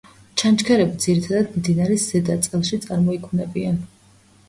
ჩანჩქერები ძირითადად მდინარის ზედა წელში წარმოიქმნებიან.